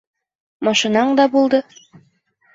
Машинаң да булды.